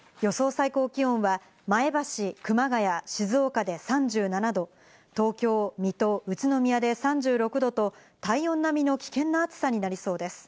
最高気温は前橋、熊谷、静岡で３７度、東京、水戸、宇都宮で３６度と、体温並みの危険な暑さになりそうです。